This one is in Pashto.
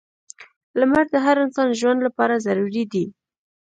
• لمر د هر انسان ژوند لپاره ضروری دی.